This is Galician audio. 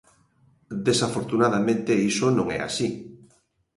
Desafortunadamente iso non é así.